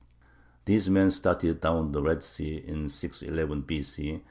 These men started down the Red Sea in 611 B. C.